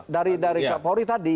dari kapolri tadi